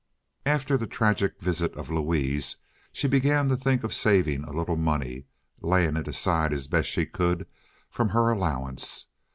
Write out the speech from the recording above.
After the tragic visit of Louise she began to think of saving a little money, laying it aside as best she could from her allowance.